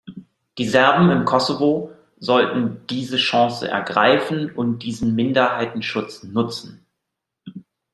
Die Serben im Kosovo sollten diese Chance ergreifen und diesen Minderheitenschutz nutzen.